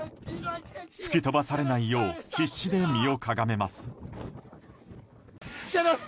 吹き飛ばされないよう必死で身をかがめます。